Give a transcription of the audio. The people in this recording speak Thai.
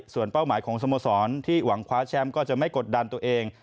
ส่วนเป้าหมายของสโมสรที่หวังคว้าแชมป์ก็จะไม่กดดันตัวเอง